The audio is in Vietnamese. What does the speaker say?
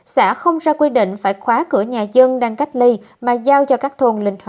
xã không ra quy định phải khóa cửa nhà dân đang cách ly mà giao cho các thôn linh hóa